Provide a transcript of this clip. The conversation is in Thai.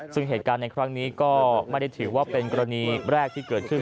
ซึ่งเหตุการณ์ในครั้งนี้ก็ไม่ได้ถือว่าเป็นกรณีแรกที่เกิดขึ้น